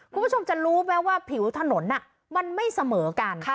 คุณผู้ชมจะรู้ไหมว่าผิวถนนมันไม่เสมอกัน